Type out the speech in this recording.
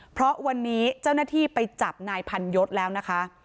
เพราะวันนี้เจ้าหน้าที่ไปจับนายพันยศแล้วนะคะ